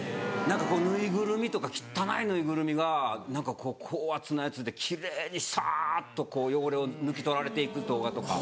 ぬいぐるみとか汚いぬいぐるみが高圧のやつで奇麗にサっとこう汚れを抜き取られていく動画とか。